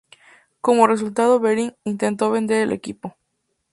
Como resultado, Behring intentó vender el equipo.